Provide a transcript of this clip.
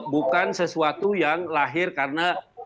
bukan sesuatu yang lahir karena